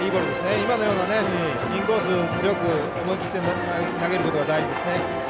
今のようなインコース思い切って強く投げることが大事ですね。